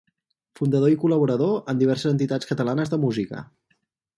Fundador i col·laborador en diverses entitats catalanes de música.